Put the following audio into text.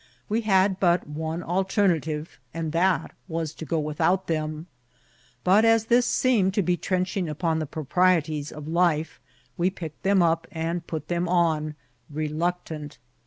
We had but one alternative, and that was to go without them. But, as this seemed to be trenching upon the proprieties of life, we picked them up and put them on reluctant.